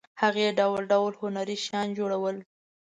هغې ډول ډول هنري شیان جوړول.